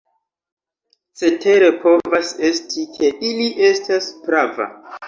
Cetere povas esti, ke li estas prava.